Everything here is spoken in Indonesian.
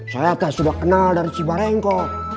saya sudah kenal dari si barengko